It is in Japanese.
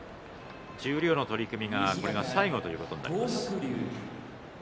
十両の取組はこれが最後ということになります。